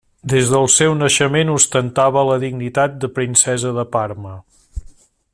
Des del seu naixement ostentava la dignitat de princesa de Parma.